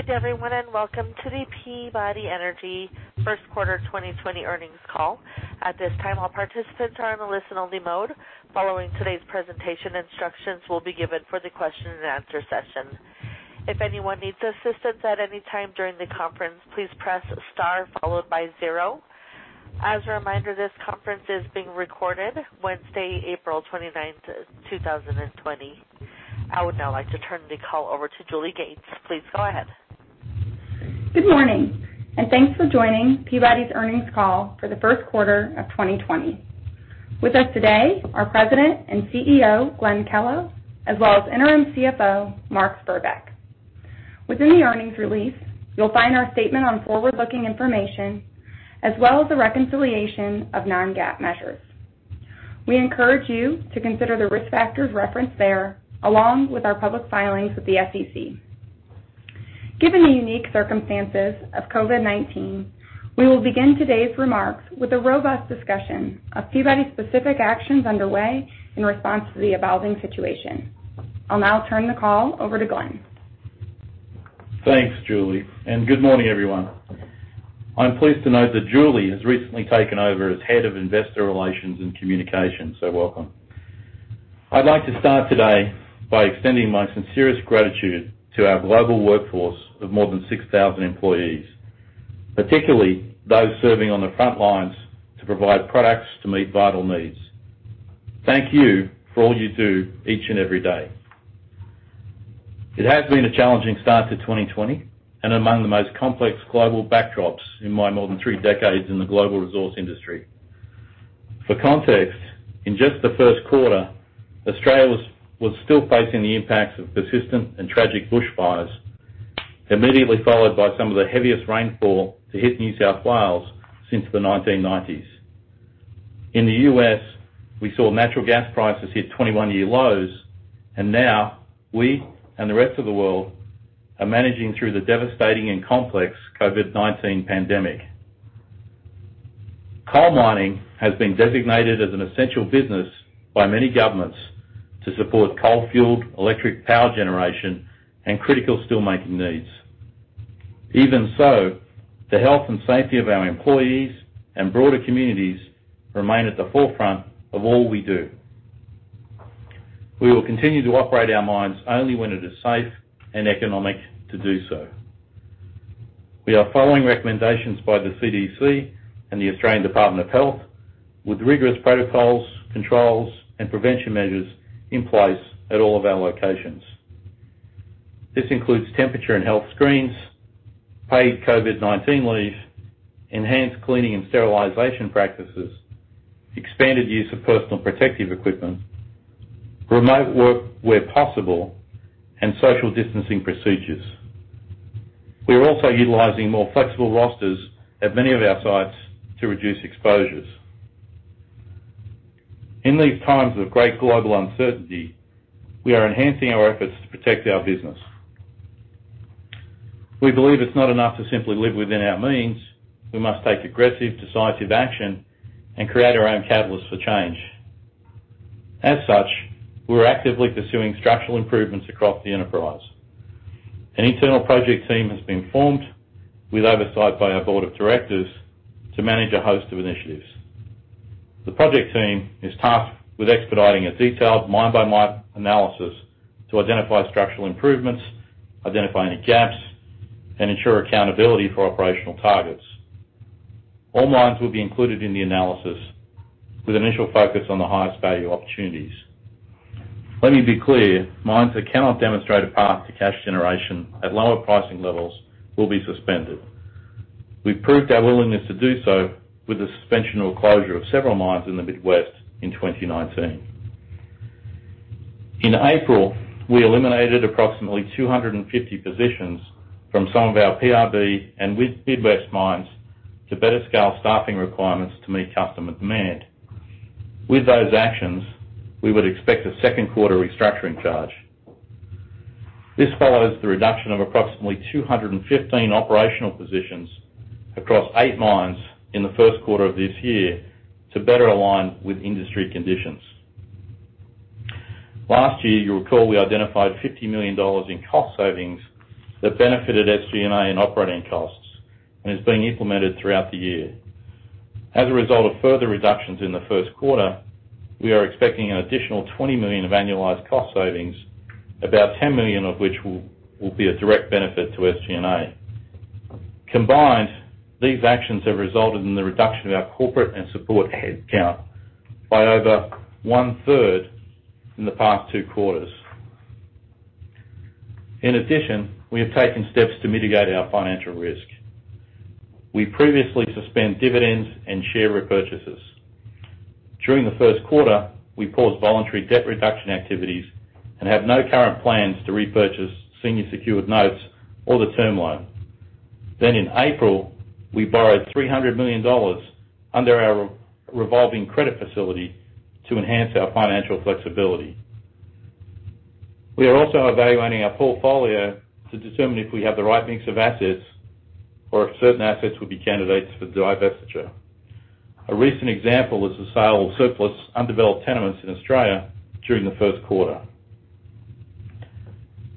Good day, everyone, and welcome to the Peabody Energy first-quarter 2020 earnings call. At this time, all participants are in a listen-only mode. Following today's presentation, instructions will be given for the question-and-answer session. If anyone needs assistance at any time during the conference, please press star followed by zero. As a reminder, this conference is being recorded on Wednesday, April 29th, 2020. I would now like to turn the call over to Julie Gates. Please go ahead. Good morning. Thanks for joining Peabody's earnings call for the first quarter of 2020. With us today are our President and CEO, Glenn Kellow, as well as Interim CFO, Mark Spurbeck. Within the earnings release, you'll find our statement on forward-looking information as well as the reconciliation of non-GAAP measures. We encourage you to consider the risk factors referenced there, along with our public filings with the SEC. Given the unique circumstances of COVID-19, we will begin today's remarks with a robust discussion of Peabody-specific actions underway in response to the evolving situation. I'll now turn the call over to Glenn. Thanks, Julie. Good morning, everyone. I'm pleased to note that Julie has recently taken over as Head of Investor Relations and Communications, so welcome. I'd like to start today by extending my sincerest gratitude to our global workforce of more than 6,000 employees, particularly those serving on the front lines to provide products to meet vital needs. Thank you for all you do each and every day. It has been a challenging start to 2020, among the most complex global backdrops in my more than three decades in the global resource industry. For context, in just the first quarter, Australia was still facing the impacts of persistent and tragic bushfires, immediately followed by some of the heaviest rainfall to hit New South Wales since the 1990s. In the U.S., we saw natural gas prices hit 21-year lows, and now we and the rest of the world are managing through the devastating and complex COVID-19 pandemic. Coal mining has been designated as an essential business by many governments to support coal-fueled electric power generation and critical steel-making needs. Even so, the health and safety of our employees and broader communities remain at the forefront of all we do. We will continue to operate our mines only when it is safe and economic to do so. We are following recommendations by the CDC and the Australian Department of Health with rigorous protocols, controls, and prevention measures in place at all of our locations. This includes temperature and health screens, paid COVID-19 leave, enhanced cleaning and sterilization practices, expanded use of personal protective equipment, remote work where possible, and social distancing procedures. We are also utilizing more flexible rosters at many of our sites to reduce exposures. In these times of great global uncertainty, we are enhancing our efforts to protect our business. We believe it's not enough to simply live within our means. We must take aggressive, decisive action and create our own catalyst for change. We're actively pursuing structural improvements across the enterprise. An internal project team has been formed with oversight by our Board of Directors to manage a host of initiatives. The project team is tasked with expediting a detailed mine-by-mine analysis to identify structural improvements, identify any gaps, and ensure accountability for operational targets. All mines will be included in the analysis, with initial focus on the highest value opportunities. Let me be clear, mines that cannot demonstrate a path to cash generation at lower pricing levels will be suspended. We've proved our willingness to do so with the suspension or closure of several mines in the Midwest in 2019. In April, we eliminated approximately 250 positions from some of our PRB and Midwest mines to better scale staffing requirements to meet customer demand. With those actions, we would expect a second-quarter restructuring charge. This follows the reduction of approximately 215 operational positions across eight mines in the first quarter of this year to better align with industry conditions. Last year, you'll recall we identified $50 million in cost savings that benefited SG&A and operating costs and is being implemented throughout the year. As a result of further reductions in the first quarter, we are expecting an additional $20 million of annualized cost savings, about $10 million of which will be a direct benefit to SG&A. Combined, these actions have resulted in the reduction of our corporate and support headcount by over one-third in the past two quarters. In addition, we have taken steps to mitigate our financial risk. We previously suspended dividends and share repurchases. During the first quarter, we paused voluntary debt reduction activities and have no current plans to repurchase senior secured notes or the term loan. In April, we borrowed $300 million under our revolving credit facility to enhance our financial flexibility. We are also evaluating our portfolio to determine if we have the right mix of assets or if certain assets would be candidates for divestiture. A recent example is the sale of surplus undeveloped tenements in Australia during the first quarter.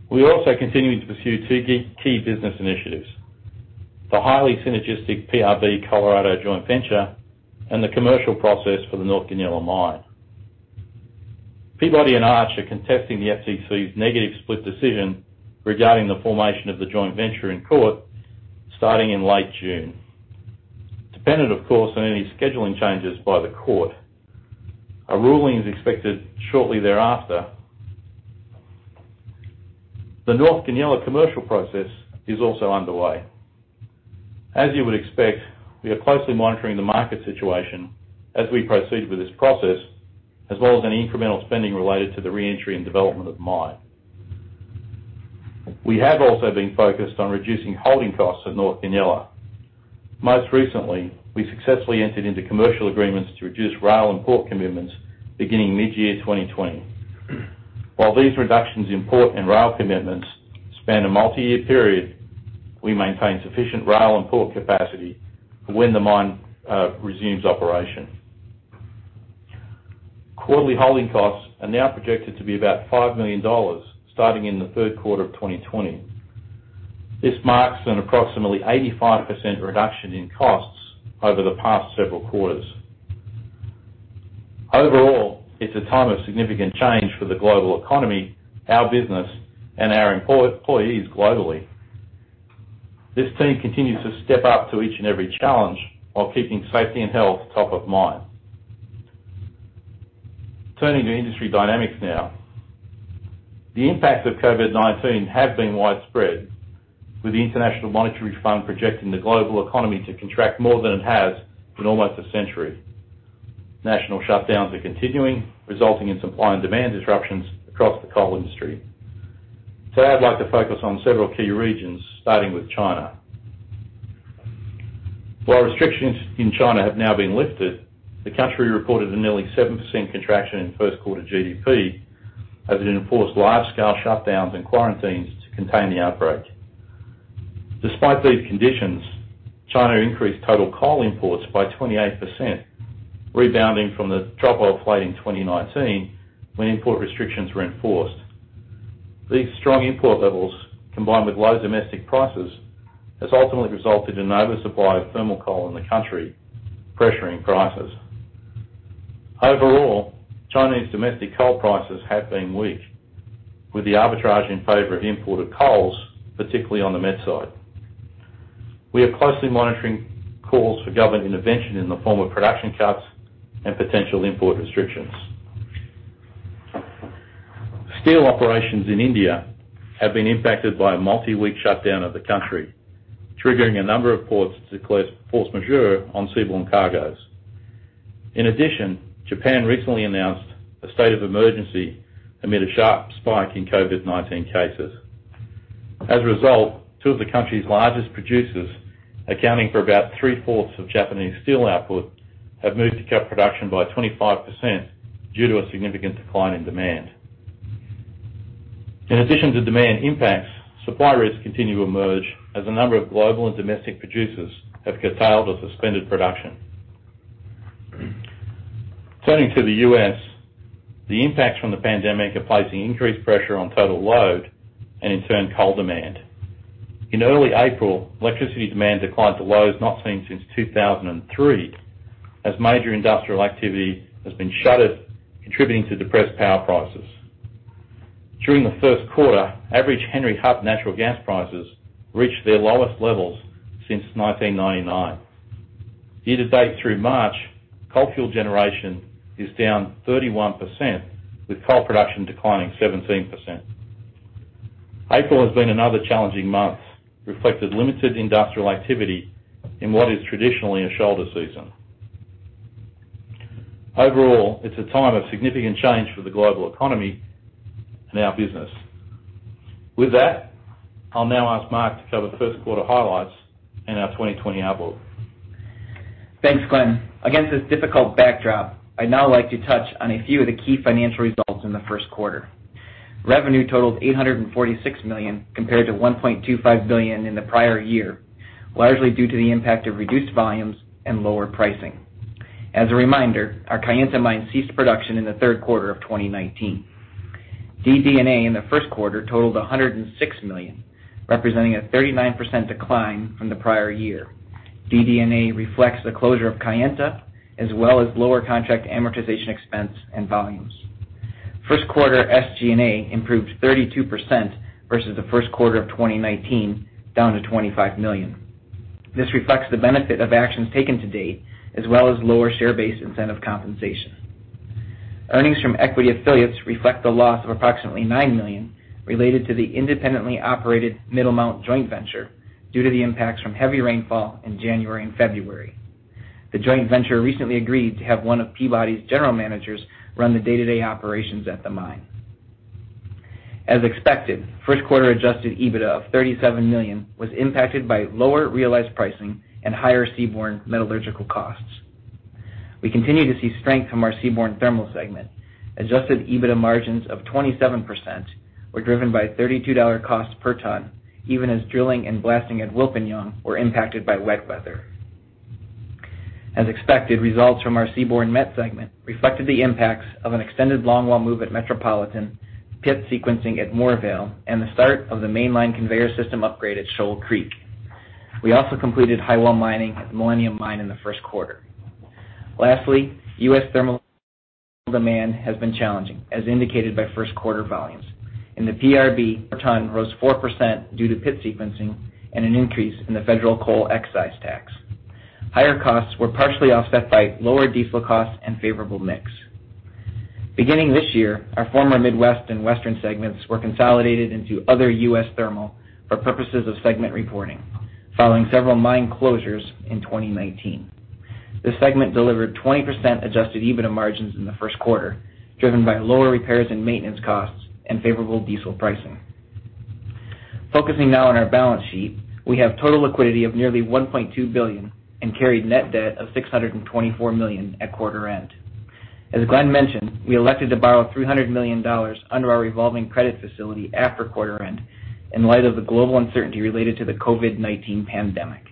We are also continuing to pursue two key business initiatives, the highly synergistic PRB Colorado joint venture and the commercial process for the North Goonyella mine. Peabody and Arch are contesting the FTC's negative split decision regarding the formation of the joint venture in court, starting in late June. Dependent, of course, on any scheduling changes by the court. A ruling is expected shortly thereafter. The North Goonyella commercial process is also underway. As you would expect, we are closely monitoring the market situation as we proceed with this process, as well as any incremental spending related to the reentry and development of the mine. We have also been focused on reducing holding costs at North Goonyella. Most recently, we successfully entered into commercial agreements to reduce rail and port commitments beginning mid-year 2020. While these reductions in port and rail commitments span a multi-year period, we maintain sufficient rail and port capacity for when the mine resumes operation. Quarterly holding costs are now projected to be about $5 million starting in the third quarter of 2020. This marks an approximately 85% reduction in costs over the past several quarters. Overall, it's a time of significant change for the global economy, our business, and our employees globally. This team continues to step up to each and every challenge while keeping safety and health top of mind. Turning to industry dynamics now. The impacts of COVID-19 have been widespread, with the International Monetary Fund projecting the global economy to contract more than it has in almost a century. National shutdowns are continuing, resulting in supply and demand disruptions across the coal industry. Today, I'd like to focus on several key regions, starting with China. While restrictions in China have now been lifted, the country reported a nearly 7% contraction in first-quarter GDP as it enforced large-scale shutdowns and quarantines to contain the outbreak. Despite these conditions, China increased total coal imports by 28%, rebounding from the drop-off late in 2019 when import restrictions were enforced. These strong import levels, combined with low domestic prices, has ultimately resulted in oversupply of thermal coal in the country, pressuring prices. Overall, Chinese domestic coal prices have been weak, with the arbitrage in favor of imported coal, particularly on the Met side. We are closely monitoring calls for government intervention in the form of production cuts and potential import restrictions. Steel operations in India have been impacted by a multi-week shutdown of the country, triggering a number of ports to declare force majeure on seaborne cargoes. In addition, Japan recently announced a state of emergency amid a sharp spike in COVID-19 cases. As a result, two of the country's largest producers, accounting for about 3/4 of Japanese steel output, have moved to cut production by 25% due to a significant decline in demand. In addition to demand impacts, supply risks continue to emerge as a number of global and domestic producers have curtailed or suspended production. Turning to the U.S., the impacts from the pandemic are placing increased pressure on total load and, in turn, coal demand. In early April, electricity demand declined to lows not seen since 2003, as major industrial activity has been shuttered, contributing to depressed power prices. During the first quarter, average Henry Hub natural gas prices reached their lowest levels since 1999. Year-to-date through March, coal fuel generation is down 31%, with coal production declining 17%. April has been another challenging month, reflecting limited industrial activity in what is traditionally a shoulder season. Overall, it's a time of significant change for the global economy and our business. With that, I'll now ask Mark to cover the first quarter highlights and our 2020 outlook. Thanks, Glenn. Against this difficult backdrop, I'd now like to touch on a few of the key financial results in the first quarter. Revenue totaled $846 million, compared to $1.25 billion in the prior year, largely due to the impact of reduced volumes and lower pricing. As a reminder, our Kayenta mine ceased production in the third quarter of 2019. DD&A in the first quarter totaled $106 million, representing a 39% decline from the prior year. DD&A reflects the closure of Kayenta, as well as lower contract amortization expense and volumes. First quarter SG&A improved 32% versus the first quarter of 2019, down to $25 million. This reflects the benefit of actions taken to date, as well as lower share-based incentive compensation. Earnings from equity affiliates reflect a loss of approximately $9 million related to the independently operated Middlemount joint venture due to the impacts from heavy rainfall in January and February. The joint venture recently agreed to have one of Peabody's general managers run the day-to-day operations at the mine. As expected, the first quarter adjusted EBITDA of $37 million was impacted by lower realized pricing and higher seaborne metallurgical costs. We continue to see strength from our Seaborne Thermal segment. Adjusted EBITDA margins of 27% were driven by $32 cost per ton, even as drilling and blasting at Wilpinjong were impacted by wet weather. As expected, results from our Seaborne Met segment reflected the impacts of an extended longwall move at Metropolitan, pit sequencing at Moorvale, and the start of the mainline conveyor system upgrade at Shoal Creek. We also completed highwall mining at the Millennium Mine in the first quarter. Lastly, U.S. Thermal demand has been challenging, as indicated by first-quarter volumes. In the PRB, ton rose 4% due to pit sequencing and an increase in the federal coal excise tax. Higher costs were partially offset by lower diesel costs and a favorable mix. Beginning this year, our former Midwest and Western segments were consolidated into Other U.S. Thermal for purposes of segment reporting, following several mine closures in 2019. This segment delivered 20% adjusted EBITDA margins in the first quarter, driven by lower repairs and maintenance costs and favorable diesel pricing. Focusing now on our balance sheet, we have total liquidity of nearly $1.2 billion and carried net debt of $624 million at quarter end. As Glenn mentioned, we elected to borrow $300 million under our revolving credit facility after quarter-end in light of the global uncertainty related to the COVID-19 pandemic.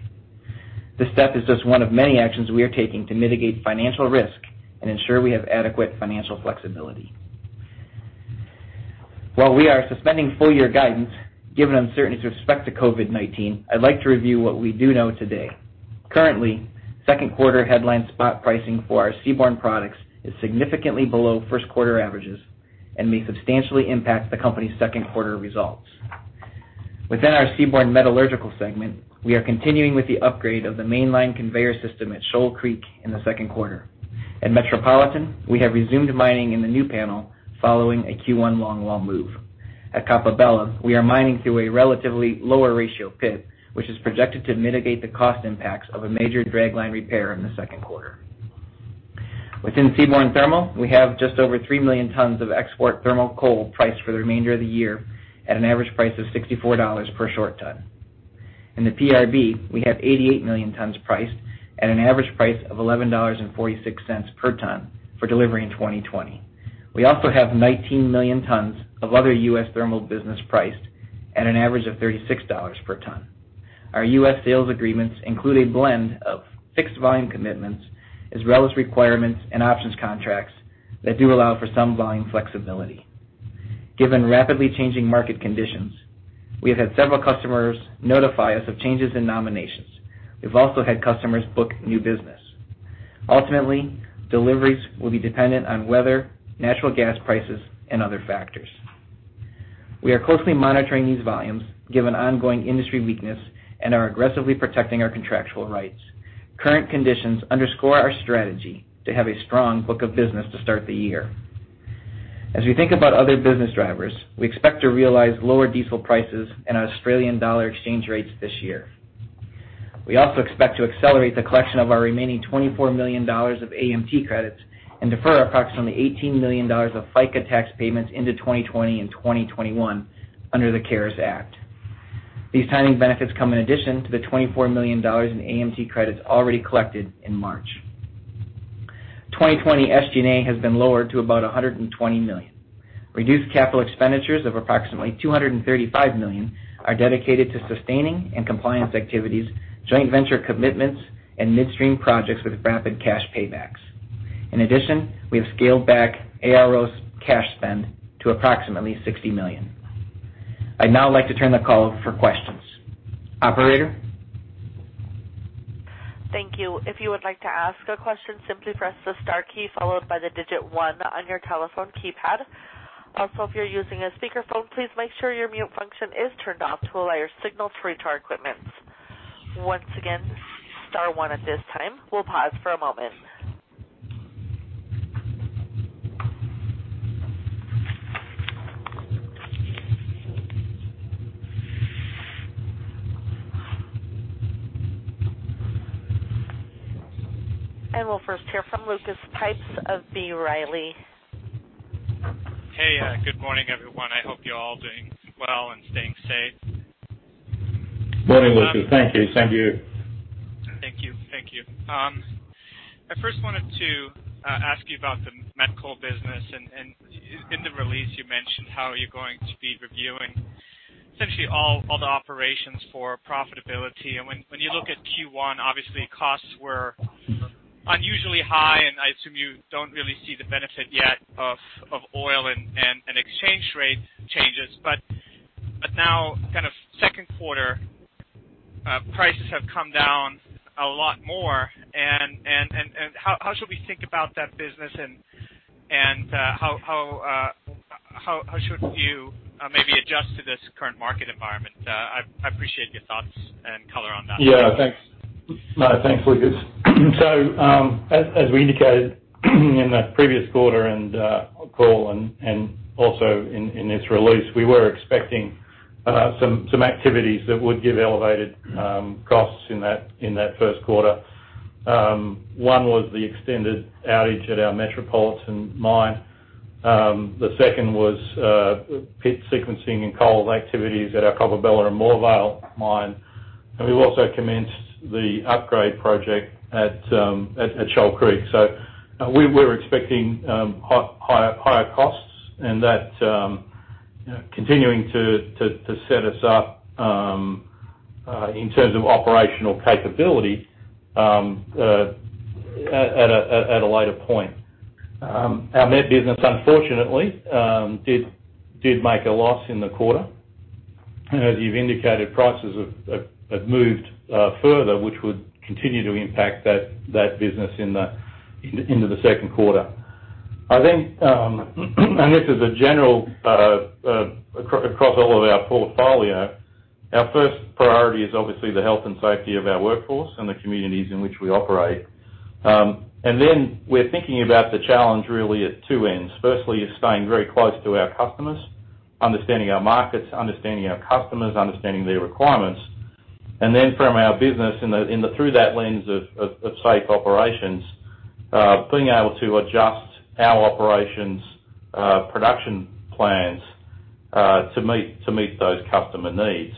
This step is just one of many actions we are taking to mitigate financial risk and ensure we have adequate financial flexibility. While we are suspending full-year guidance, given uncertainties with respect to COVID-19, I'd like to review what we do know today. Currently, second-quarter headline spot pricing for our seaborne products is significantly below first-quarter averages and may substantially impact the company's second-quarter results. Within our Seaborne Metallurgical segment, we are continuing with the upgrade of the mainline conveyor system at Shoal Creek in the second quarter. At Metropolitan, we have resumed mining in the new panel following a Q1 longwall move. At Coppabella, we are mining to a relatively lower ratio pit, which is projected to mitigate the cost impacts of a major dragline repair in the second quarter. Within Seaborne Thermal, we have just over 3 million tons of export thermal coal priced for the remainder of the year at an average price of $64 per short ton. In the PRB, we have 88 million tons priced at an average price of $11.46 per ton for delivery in 2020. We also have 19 million tons of other U.S. Thermal priced at an average of $36 per ton. Our U.S. sales agreements include a blend of fixed volume commitments as well as requirements and options contracts that do allow for some volume flexibility. Given rapidly changing market conditions, we have had several customers notify us of changes in nominations. We've also had customers book new business. Ultimately, deliveries will be dependent on weather, natural gas prices, and other factors. We are closely monitoring these volumes, given ongoing industry weakness, and are aggressively protecting our contractual rights. Current conditions underscore our strategy to have a strong book of business to start the year. As we think about other business drivers, we expect to realize lower diesel prices and Australian dollar exchange rates this year. We also expect to accelerate the collection of our remaining $24 million of AMT credits and defer approximately $18 million of FICA tax payments into 2020 and 2021 under the CARES Act. These timing benefits come in addition to the $24 million in AMT credits already collected in March. 2020 SG&A has been lowered to about $120 million. Reduced capital expenditures of approximately $235 million are dedicated to sustaining and compliance activities, joint venture commitments, and midstream projects with rapid cash paybacks. In addition, we have scaled back ARO's cash spend to approximately $60 million. I'd now like to turn the call over for questions. Operator? Thank you. If you would like to ask a question, simply press the star key followed by the digit one on your telephone keypad. Also, if you're using a speakerphone, please make sure your mute function is turned off to allow your signal through to our equipment. Once again, star one at this time. We'll pause for a moment. We'll first hear from Lucas Pipes of B. Riley. Hey, good morning, everyone. I hope you're all doing well and staying safe. Morning, Lucas. Thank you. Same to you. Thank you. I first wanted to ask you about the Met coal business. In the release, you mentioned how you're going to be reviewing essentially, all the operations for profitability. When you look at Q1, obviously, costs were unusually high, and I assume you don't really see the benefit yet of oil and exchange rate changes. Now, second-quarter prices have come down a lot more, and how should we think about that business, and how should you maybe adjust to this current market environment? I appreciate your thoughts and color on that. Thanks, Lucas. As we indicated in the previous quarter, the call, and also in this release, we were expecting some activities that would give elevated costs in that first quarter. One was the extended outage at our Metropolitan mine. The second was pit sequencing and coal activities at our Coppabella and Moorvale mines. We also commenced the upgrade project at Shoal Creek. We're expecting higher costs, and that continuing to set us up in terms of operational capability at a later point. Our Met business, unfortunately, did make a loss in the quarter. As you've indicated, prices have moved further, which would continue to impact that business into the second quarter. I think, and this is a general across all of our portfolio, our first priority is obviously the health and safety of our workforce and the communities in which we operate. We're thinking about the challenge really at two ends. Firstly, is staying very close to our customers, understanding our markets, understanding our customers, understanding their requirements. From our business through that lens of safe operations, being able to adjust our operations production plans to meet those customer needs.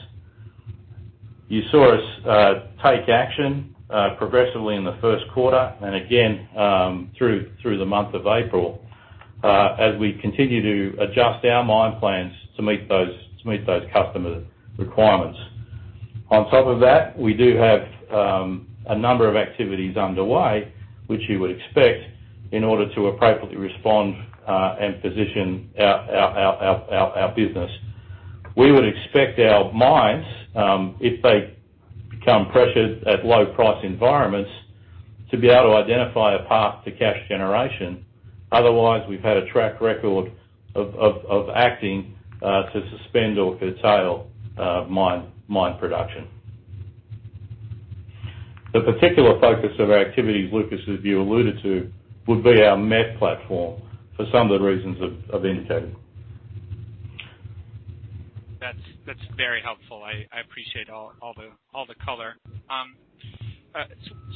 You saw us take action progressively in the first quarter, and again, through the month of April, as we continue to adjust our mine plans to meet those customer requirements. On top of that, we do have a number of activities underway, which you would expect, in order to appropriately respond and position our business. We would expect our mines, if they become pressured at low price environments, to be able to identify a path to cash generation. Otherwise, we've had a track record of acting to suspend or curtail mine production. The particular focus of our activities, Lucas, as you alluded to, would be our Met platform for some of the reasons I've indicated. That's very helpful. I appreciate all the color.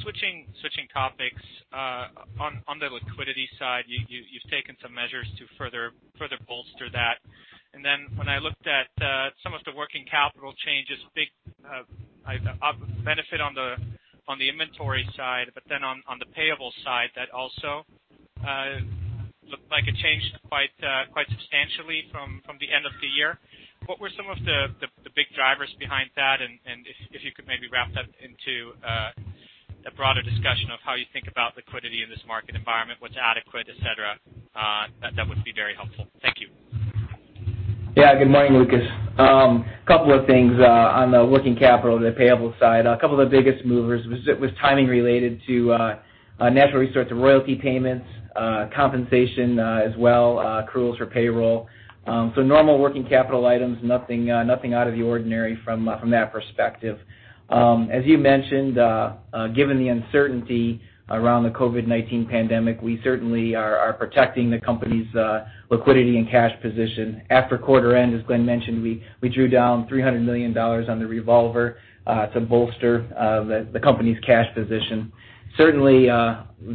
Switching topics, on the liquidity side, you've taken some measures to further bolster that. When I looked at some of the working capital changes, big benefit on the inventory side, but then on the payable side, that also looked like a change quite substantially from the end of the year. What were some of the big drivers behind that? If you could maybe wrap that into a broader discussion of how you think about liquidity in this market environment, what's adequate, et cetera, that would be very helpful. Thank you. Good morning, Lucas. A couple of things on the working capital, the payable side. A couple of the biggest movers was timing related to natural resource and royalty payments, compensation, as well as accruals for payroll. Normal working capital items, nothing out of the ordinary from that perspective. As you mentioned, given the uncertainty around the COVID-19 pandemic, we certainly are protecting the company's liquidity and cash position. After quarter end, as Glenn mentioned, we drew down $300 million on the revolver to bolster the company's cash position. Certainly,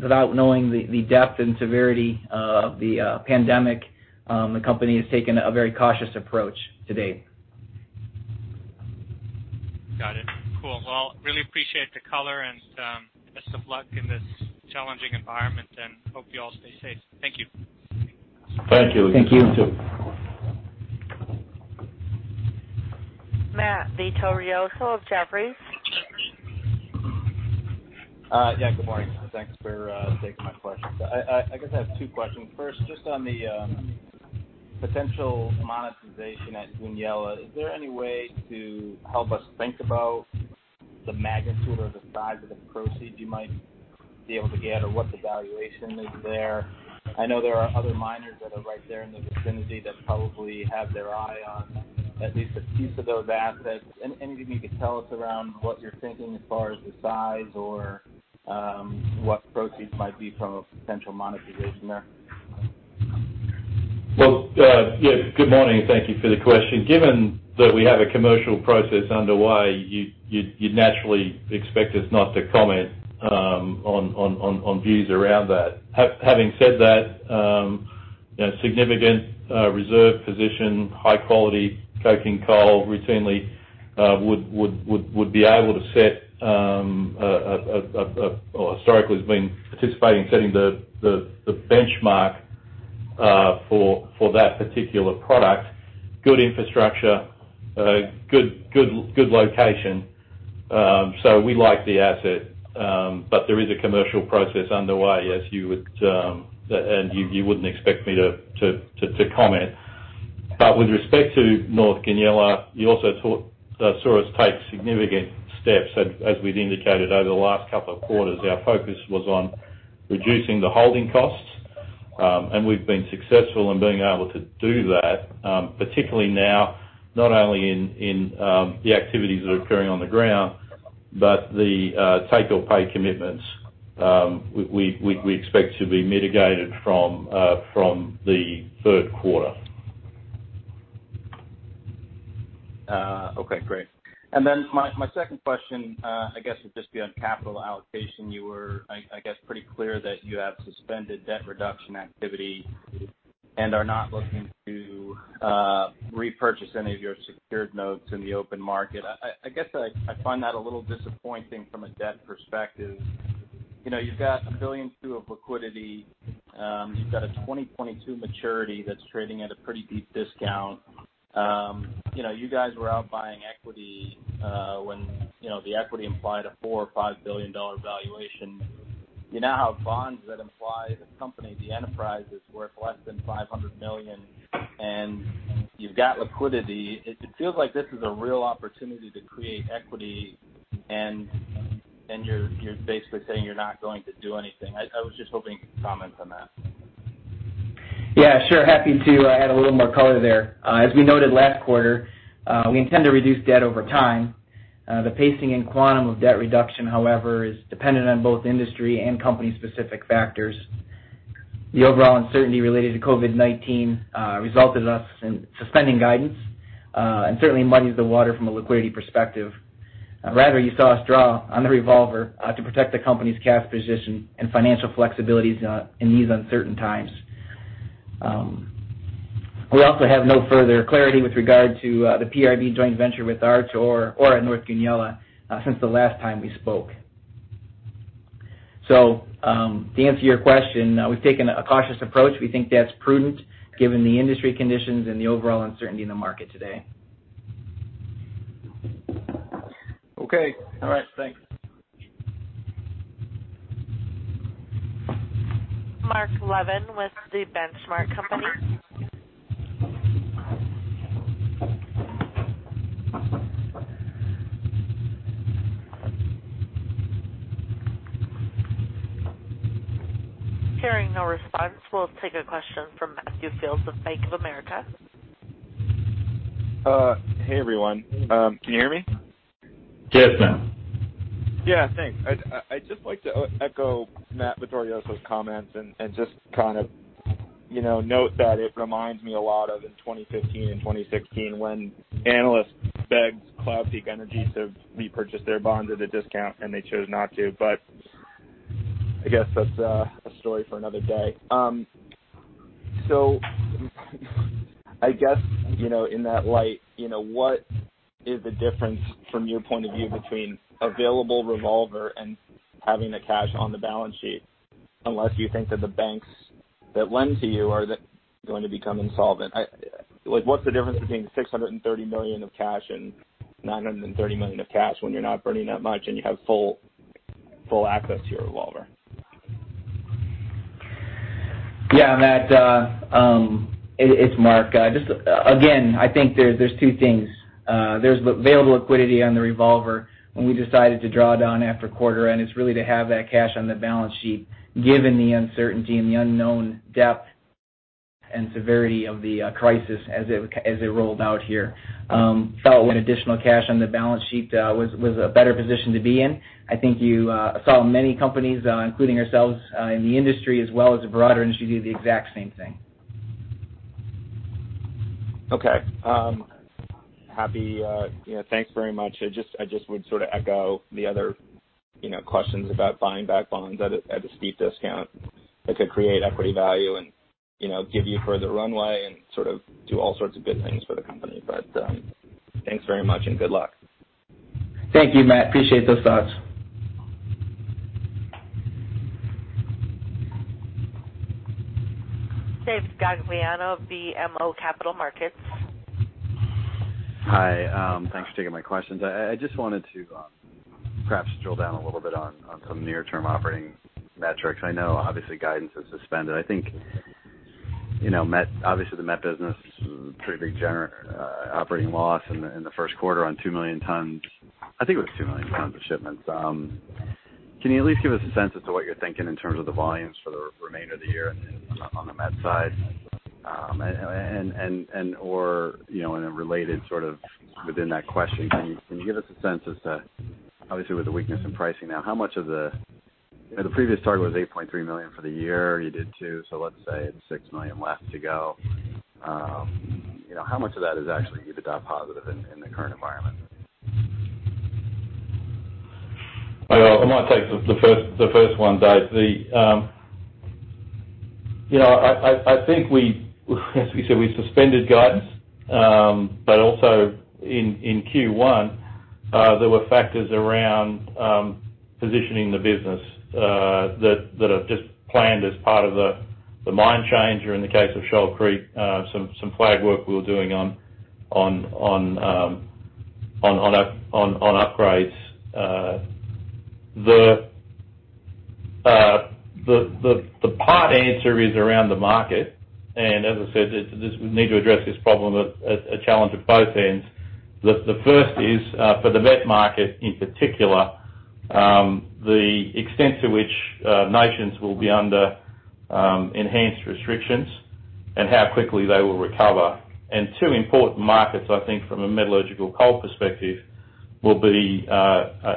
without knowing the depth and severity of the pandemic, the company has taken a very cautious approach to date. Got it. Cool. Well, really appreciate the color and best of luck in this challenging environment, and hope you all stay safe. Thank you. Thank you. Thank you. You too. Matt Vittorioso of Jefferies. Yeah. Good morning. Thanks for taking my questions. I guess I have two questions. First, just on the potential monetization at Goonyella, is there any way to help us think about the magnitude or the size of the proceeds you might be able to get, or what the valuation is there? I know there are other miners that are right there in the vicinity that probably have their eye on at least a piece of those assets. Anything you could tell us around what you're thinking as far as the size or what proceeds might be from a potential monetization there? Yes. Good morning. Thank you for the question. Given that we have a commercial process underway, you'd naturally expect us not to comment on views around that. Having said that, a significant reserve position, high-quality coking coal routinely would be able to set, or historically has been participating in setting the benchmark for that particular product. Good infrastructure, good location. We like the asset. There is a commercial process underway, and you wouldn't expect me to comment. With respect to North Goonyella, you also saw us take significant steps, as we've indicated over the last couple of quarters. Our focus was on reducing the holding costs. We've been successful in being able to do that, particularly now, not only in the activities that are occurring on the ground, but the take-or-pay commitments, we expect to be mitigated from the third quarter. Okay, great. My second question, I guess, would just be on capital allocation. You were, I guess, pretty clear that you have suspended debt reduction activity and are not looking to repurchase any of your secured notes in the open market. I guess I find that a little disappointing from a debt perspective. You've got $1.2 billion of liquidity. You've got a 2022 maturity that's trading at a pretty deep discount. You guys were out buying equity when the equity implied a $4 or $5 billion valuation. You now have bonds that imply the company, the enterprise, is worth less than $500 million, and you've got liquidity. It feels like this is a real opportunity to create equity, and you're basically saying you're not going to do anything. I was just hoping you could comment on that. Yeah, sure. Happy to add a little more color there. As we noted last quarter, we intend to reduce debt over time. The pacing and quantum of debt reduction, however, is dependent on both industry and company-specific factors. The overall uncertainty related to COVID-19 resulted in us suspending guidance, and certainly muddies the water from a liquidity perspective. Rather, you saw us draw on the revolver to protect the company's cash position and financial flexibility in these uncertain times. We also have no further clarity with regard to the PRB joint venture with Arch or at North Goonyella since the last time we spoke. To answer your question, we've taken a cautious approach. We think that's prudent given the industry conditions and the overall uncertainty in the market today. Okay. All right. Thanks. Mark Levin with The Benchmark Company. Hearing no response, we will take a question from Matthew Fields of Bank of America. Hey, everyone. Can you hear me? Yes, now. Yeah, thanks. I'd just like to echo Matt Vittorioso's comments and just note that it reminds me a lot of in 2015 and 2016, when analysts begged Cloud Peak Energy to repurchase their bonds at a discount, and they chose not to. I guess that's a story for another day. I guess, in that light, what is the difference from your point of view between available revolver and having the cash on the balance sheet? Unless you think that the banks that lend to you are going to become insolvent. What's the difference between $630 million of cash and $930 million of cash when you're not burning that much, and you have full access to your revolver? Yeah, Matt, it's Mark. Just again, I think there are two things. There's the available liquidity on the revolver when we decided to draw down after the quarter, and it's really to have that cash on the balance sheet, given the uncertainty and the unknown depth and severity of the crisis as it rolled out here. Felt with additional cash on the balance sheet was a better position to be in. I think you saw many companies, including ourselves, in the industry as well as the broader industry, do the exact same thing. Okay. Happy. Thanks very much. I just would echo the other questions about buying back bonds at a steep discount that could create equity value and give you further runway and sort of do all sorts of good things for the company. Thanks very much and good luck. Thank you, Matt. Appreciate those thoughts. Dave Gagliano, BMO Capital Markets. Hi, thanks for taking my questions. I just wanted to perhaps drill down a little bit on some near-term operating metrics. I know obviously guidance is suspended. I think obviously the Met business, pretty big operating loss in the first quarter on 2 million tons. I think it was 2 million tons of shipments. Can you at least give us a sense as to what you're thinking in terms of the volumes for the remainder of the year on the Met side? Or in a related, sort of within that question, can you give us a sense as to, obviously, with the weakness in pricing now, the previous target was 8.3 million for the year? You did two, so let's say it's 6 million left to go. How much of that is actually EBITDA positive in the current environment? I might take the first one, Dave. I think we, as we said, suspended guidance. Also in Q1, there were factors around positioning the business that are just planned as part of the mine change, or in the case of Shoal Creek, some flag work we were doing on upgrades. The part answer is around the market. As I said, we need to address this problem, a challenge at both ends. The first is for the Met market in particular, the extent to which nations will be under enhanced restrictions and how quickly they will recover. Two important markets, I think, from a Metallurgical coal perspective will be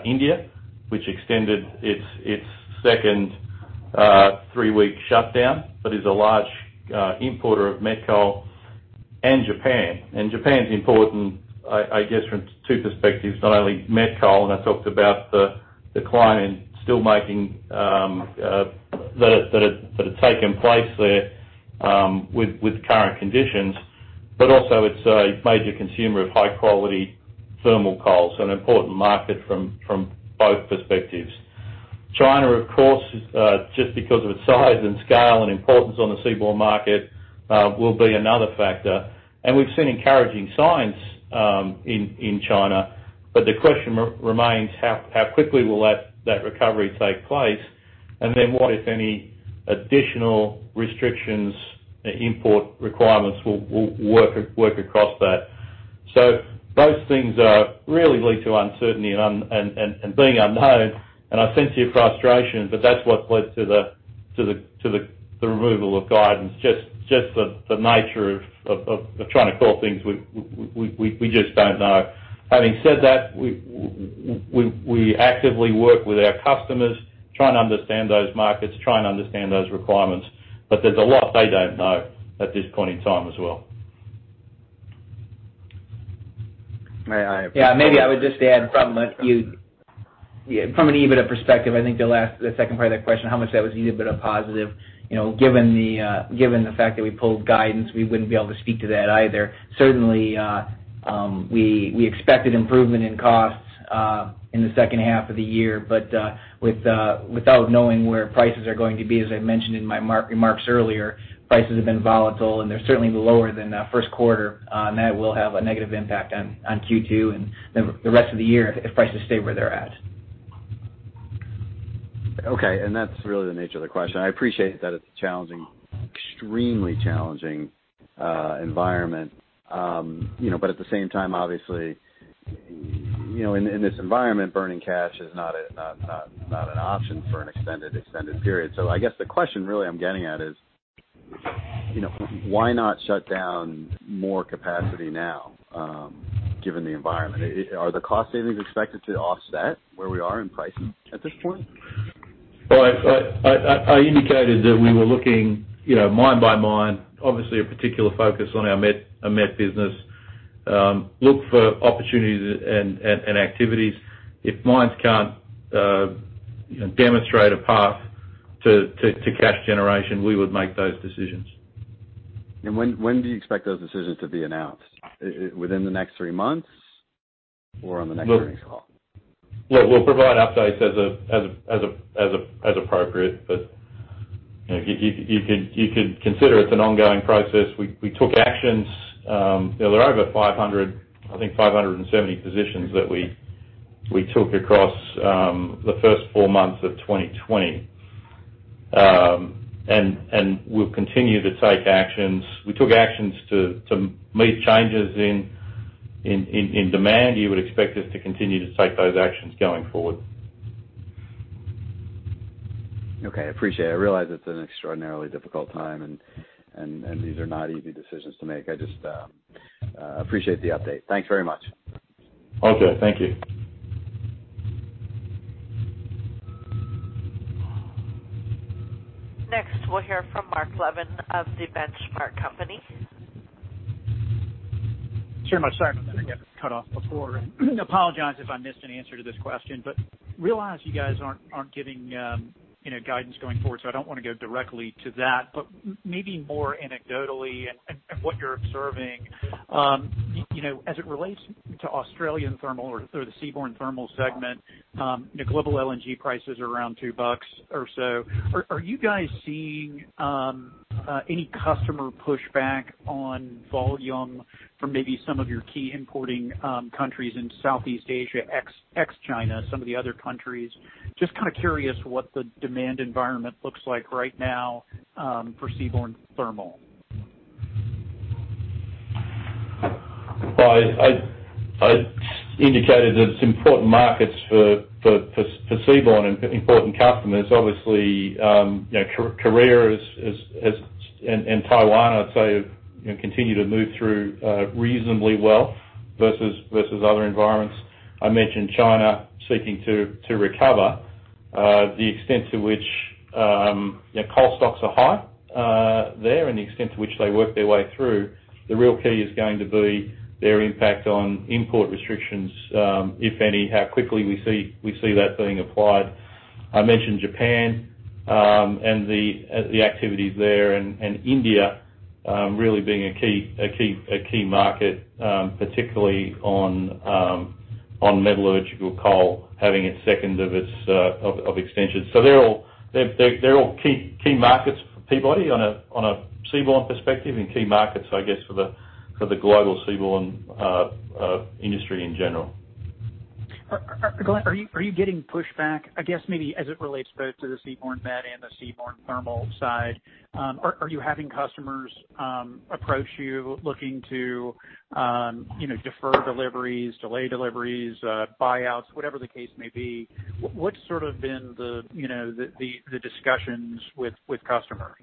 India, which extended its second three-week shutdown, is a large importer of Met coal. Japan. Japan is important, I guess, from two perspectives. Not only Met coal, I talk about the decline in steelmaking that has taken place there with current conditions, but also it's a major consumer of high-quality thermal coal. An important market from both perspectives. China, of course, just because of its size and scale and importance on the seaborne market, will be another factor. We've seen encouraging signs in China, but the question remains: How quickly will that recovery take place? Then what, if any, additional restrictions or import requirements will work across that? Those things really lead to uncertainty and being unknown, and I sense your frustration. That's what's led to the removal of guidance, just the nature of trying to call things we just don't know. Having said that, we actively work with our customers, try and understand those markets, try and understand those requirements. There's a lot they don't know at this point in time as well. May I- Maybe I would just add from an EBITDA perspective, I think the second part of that question, how much that was EBITDA positive. Given the fact that we pulled guidance, we wouldn't be able to speak to that either. Certainly, we expected improvement in costs in the second half of the year, but without knowing where prices are going to be, as I mentioned in my remarks earlier, prices have been volatile, and they're certainly lower than in the first quarter. That will have a negative impact on Q2 and the rest of the year if prices stay where they are. Okay, that's really the nature of the question. I appreciate that it's an extremely challenging environment. At the same time, obviously, in this environment, burning cash is not an option for an extended period. I guess the question I'm really getting at is, why not shut down more capacity now, given the environment? Are the cost savings expected to offset where we are in pricing at this point? Well, I indicated that we were looking mine by mine, obviously a particular focus on our Met business. Look for opportunities and activities. If mine can't demonstrate a path to cash generation, we would make those decisions. When do you expect those decisions to be announced? Within the next three months or on the next earnings call? Look, we'll provide updates as appropriate. You could consider it an ongoing process. We took action. There are over 500, I think, 570 positions that we took across the first four months of 2020. We'll continue to take action. We took actions to meet changes in demand. You would expect us to continue to take those actions going forward. Okay, appreciate it. I realize it's an extraordinarily difficult time, and these are not easy decisions to make. I just appreciate the update. Thanks very much. Okay. Thank you. Next, we'll hear from Mark Levin of The Benchmark Company. Sure. My apologies for getting cut off before. Apologize if I missed an answer to this question, but realize you guys aren't giving guidance going forward, so I don't want to go directly to that. Maybe more anecdotally, and what you're observing. As it relates to the Australian thermal or the Seaborne Thermal segment, global LNG prices are around $2 or so. Are you guys seeing any customer pushback on volume from maybe some of your key importing countries in Southeast Asia, ex-China, some of the other countries? Just curious what the demand environment looks like right now for Seaborne Thermal. Well, I indicated that it's an important market for seaborne and important customers. Obviously, Korea and Taiwan, I'd say, continue to move through reasonably well versus other environments. I mentioned China seeking to recover. The extent to which coal stocks are high there and the extent to which they work their way through, the real key is going to be their impact on import restrictions, if any, how quickly we see that being applied. I mentioned Japan and the activities there, and India, really being a key market, particularly on Metallurgical coal, having its second of extensions. They're all key markets for Peabody on a seaborne perspective, and key markets, I guess, for the global Seaborne industry in general. Glenn, are you getting pushback? I guess maybe as it relates both to the Seaborne Met and the Seaborne Thermal side? Are you having customers approach you looking to defer deliveries, delay deliveries, buyouts, whatever the case may be? What's sort of been the discussion with customers?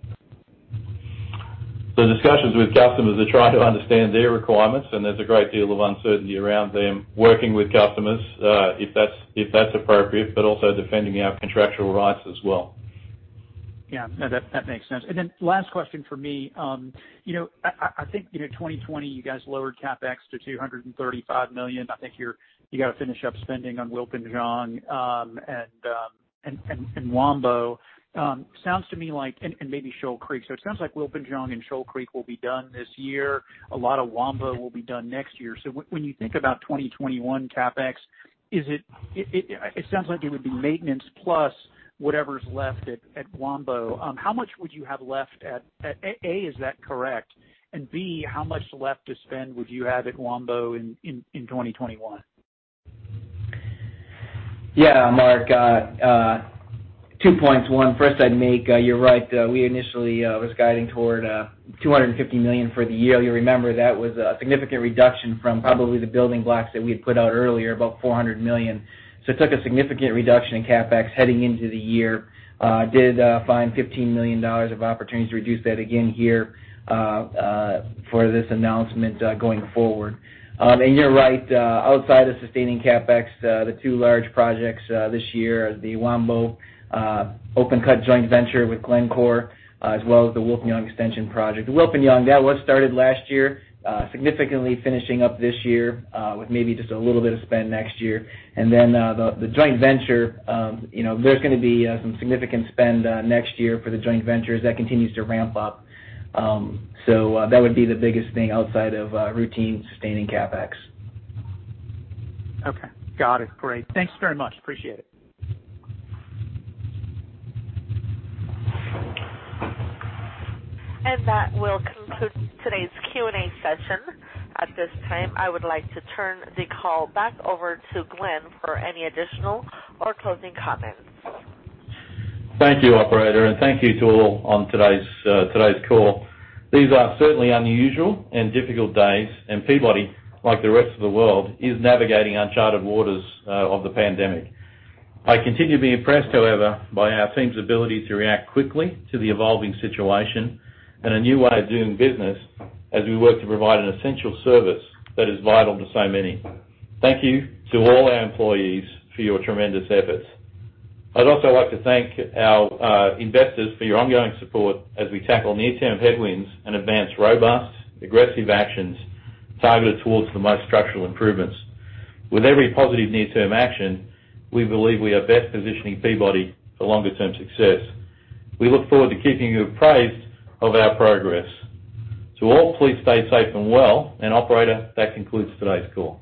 The discussions with customers are trying to understand their requirements, and there's a great deal of uncertainty around them working with customers, if that's appropriate, but also defending our contractual rights as well. Yeah. No, that makes sense. Then, the last question from me. I think in 2020, you guys lowered CapEx to $235 million. I think you've got to finish up spending on Wilpinjong and Wambo. Sounds to me like-- and maybe Shoal Creek. It sounds like Wilpinjong and Shoal Creek will be done this year. A lot of Wambo will be done next year. When you think about 2021 CapEx, it sounds like it would be maintenance plus whatever's left at Wambo. A, is that correct? B, how much left to spend would you have at Wambo in 2021? Mark, two points. First, I'd make you right. We initially was guiding toward $250 million for the year. You remember that was a significant reduction from probably the building blocks that we had put out earlier, about $400 million. It took a significant reduction in CapEx heading into the year. Did find $15 million of opportunities to reduce that again here for this announcement, going forward. You're right, outside of sustaining CapEx, the two large projects this year, the Wambo open cut joint venture with Glencore, as well as the Wilpinjong extension project. Wilpinjong, that was started last year, significantly finishing up this year, with maybe just a little bit of spending next year. The joint venture there's going to be some significant spend next year for the joint ventures. That continues to ramp up. That would be the biggest thing outside of routine sustaining CapEx. Okay. Got it. Great. Thanks very much. Appreciate it. That will conclude today's Q&A session. At this time, I would like to turn the call back over to Glenn for any additional or closing comments. Thank you, operator, and thank you to all on today's call. These are certainly unusual and difficult days, and Peabody, like the rest of the world, is navigating uncharted waters of the pandemic. I continue to be impressed, however, by our team's ability to react quickly to the evolving situation and a new way of doing business as we work to provide an essential service that is vital to so many. Thank you to all our employees for your tremendous efforts. I'd also like to thank our investors for your ongoing support as we tackle near-term headwinds and advance robust, aggressive actions targeted towards the most structural improvements. With every positive near-term action, we believe we are best positioning Peabody for longer-term success. We look forward to keeping you apprised of our progress. To all, please stay safe and well. Operator, that concludes today's call.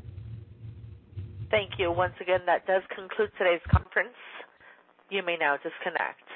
Thank you. Once again, that does conclude today's conference. You may now disconnect.